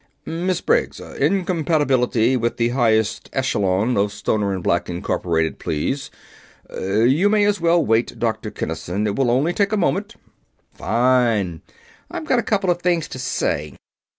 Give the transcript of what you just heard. "Miss Briggs 'Incompatibility with the highest echelon of Stoner and Black, Inc.,' please. You may as well wait, Dr. Kinnison; it will take only a moment." "Fine. I've got a couple of things to say.